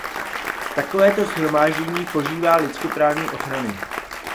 Takovéto shromáždění požívá lidskoprávní ochrany.